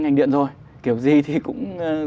ngành điện rồi kiểu gì thì cũng